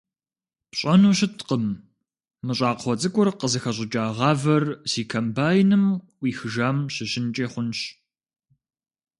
Пщӏэну щыткъым, мы щӏакхъуэ цӏыкӏур къызыхэщӏыкӏа гъавэр си комбайным ӏуихыжам щыщынкӏи хъунщ.